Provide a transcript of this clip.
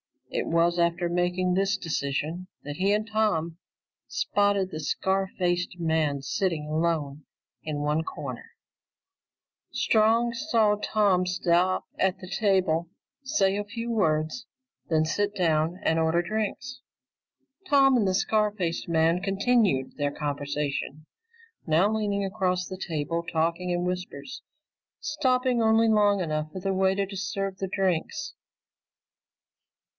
It was after making this decision that he and Tom spotted the scar faced man sitting alone in one corner. [Illustration: The scar faced man obviously wanted something from Tom] Strong saw Tom stop at the table, say a few words, then sit down and order drinks. Tom and the scar faced man continued their conversation, now leaning across the table talking in whispers, stopping only long enough for the waiter to serve the drinks.